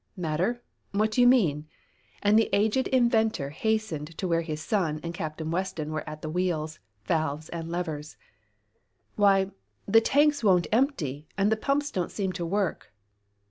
"Matter? What do you mean?" and the aged inventor hastened to where his son and Captain Weston were at the wheels, valves and levers. "Why, the tanks won't empty, and the pumps don't seem to work."